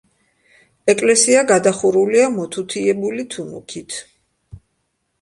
ეკლესია გადახურულია მოთუთიებული თუნუქით.